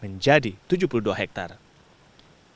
menjadi tujuh puluh dua hektare